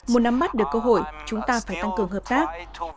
muốn nắm mắt được cơ hội chúng ta phải tăng cường hợp tác